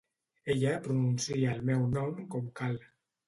Ella pronuncia el meu nom com cal.